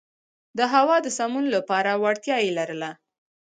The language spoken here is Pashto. د هوا د سمون لپاره وړتیا یې لرله.